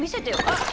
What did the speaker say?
あっ。